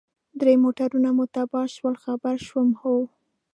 درې موټرونه مو تباه شول، خبر شوم، هو.